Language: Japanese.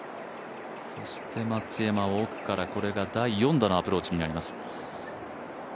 そして松山、奥からこれが第４打のアプローチになります。